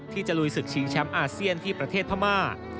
ที่จะลุยศึกชิงแชมป์อาเซียนที่ประเทศพม่า